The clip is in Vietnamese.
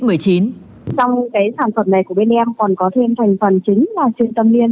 trong cái sản phẩm này của bên em còn có thêm thành phần chính là trung tâm liên